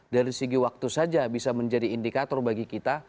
dari segi waktu saja bisa menjadi indikator bagi kita